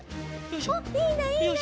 おっいいねいいね！